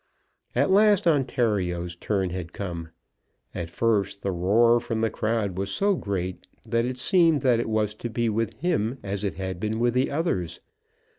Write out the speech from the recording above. At last Ontario's turn had come. At first the roar from the crowd was so great that it seemed that it was to be with him as it had been with the others.